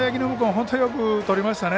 本当によくとりましたね。